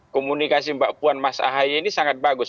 komunikasi mbak puan mas ahaye ini sangat bagus